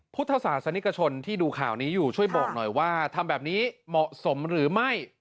พุทธศาสนิกชนที่ดูข่าวนี้อยู่ช่วยบอกหน่อยว่าทำแบบนี้เหมาะสมหรือไม่